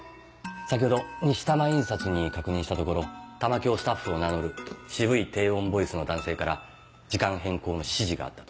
先ほど西たま印刷に確認したところ玉響スタッフを名乗る渋い低音ボイスの男性から時間変更の指示があったと。